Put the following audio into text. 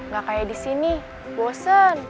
gak kayak di sini bosen